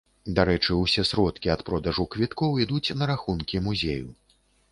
Дарэчы, усе сродкі ад продажу квіткоў ідуць на рахункі музею.